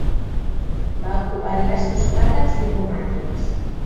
Va ocupar diversos càrrecs diplomàtics.